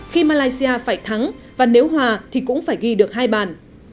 khi malaysia phải thắng và nếu hòa thì cũng phải ghi được hai bàn